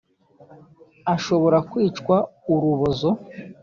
ashobora kwicwa urubozo.